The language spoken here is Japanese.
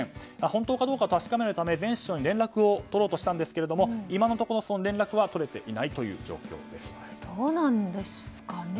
本当かどうかを確かめるため前市長に連絡を取ろうとしたんですが今のところ連絡は取れていないどうなんですかね。